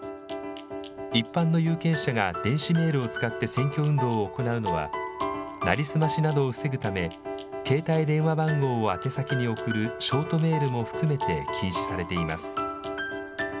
一般の有権者が電子メールを使って選挙運動を行うのは、成り済ましなどを防ぐため、携帯電話番号を宛先に送るショートメールも含めて禁止されています。